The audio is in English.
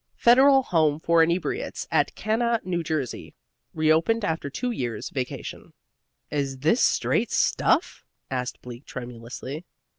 Federal Home for Inebriates at Cana, N.J., reopened after two years' vacation. "Is this straight stuff?" asked Bleak tremulously.